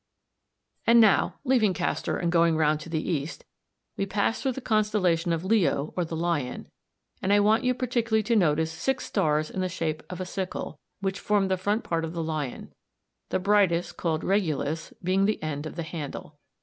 _ And now, leaving Castor and going round to the east, we pass through the constellation Leo or the Lion, and I want you particularly to notice six stars in the shape of a sickle, which form the front part of the lion, the brightest, called Regulus, being the end of the handle.